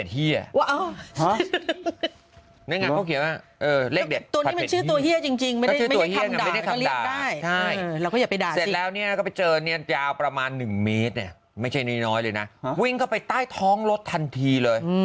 เหี้ยจริงตี่ตัวเรียกไปด่านแล้วเนี่ยก็ไปเจอเนียนต์ยาวประมาณหนึ่งเฉพาะมีนะหนะวิ่งเข้าไปใต้ท้องรถทันทีเลย